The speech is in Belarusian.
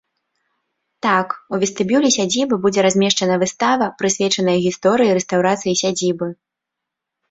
Так, у вестыбюлі сядзібы будзе размешчана выстава, прысвечаная гісторыі рэстаўрацыі сядзібы.